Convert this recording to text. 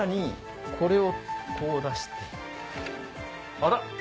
あら。